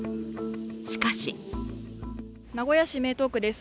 しかし名古屋市名東区です。